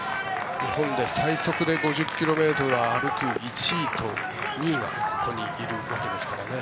日本で最速で５０ｋｍを歩く１位と２位がここにいるということですからね。